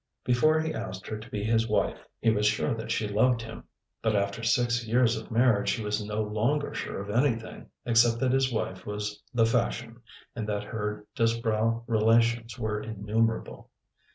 Before he asked her to be his wife he was sure that she loved him; but after six years of marriage he was no longer sure of anything, except that his wife was the fashion, and that her Disbrowe relations were innumerable.